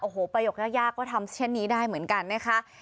โอ้โหประโยคยากก็ทำเช่นนี้ได้เหมือนกันนะคะ